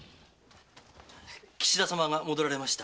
岸田様が戻られました。